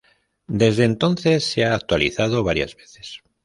Desde entonces se ha actualizado varias veces.